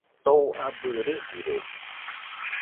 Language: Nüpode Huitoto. Too abɨ rɨjɨrede